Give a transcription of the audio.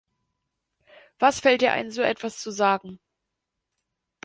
Was fällt dir ein, so etwas zu sagen?